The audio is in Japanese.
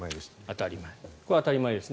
当たり前です。